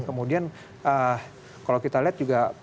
kemudian kalau kita lihat juga bapak jokowi